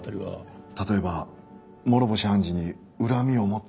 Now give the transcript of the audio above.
例えば諸星判事に恨みを持っていそうな人物。